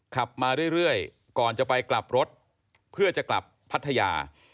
ขับมาเรื่อยก่อนจะไปกลับรถเพื่อจะกลับพัทยา